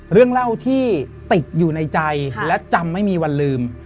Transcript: เรื่องเล่าที่ติดอยู่ในใจและจำไม่มีวันลืม